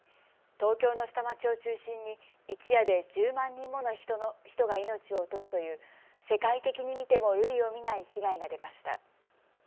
東京の下町を中心に一夜で１０万人もの人が命を落とすという世界的に見ても類を見ない被害が出ました。